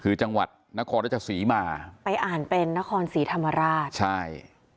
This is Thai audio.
คือจังหวัดนครราชสีมาไปอ่านเป็นนครศรีธรรมราชใช่